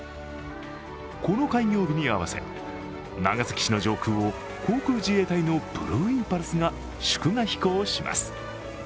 この開業日に合わせ、長崎市の上空を航空自衛隊のブルーインパルスが祝賀飛行します。